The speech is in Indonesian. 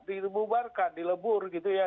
di dprk di lebur gitu ya